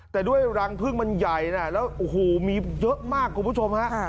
แต่ด้วยรังพึ่งมันใหญ่นะแล้วโอ้โหมีเยอะมากคุณผู้ชมฮะ